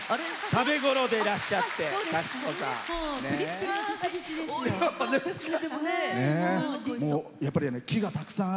食べ頃でいらっしゃって幸子さん。